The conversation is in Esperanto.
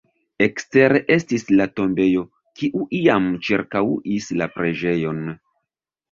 Ekstere estis la tombejo, kiu iam ĉirkaŭis la preĝejon.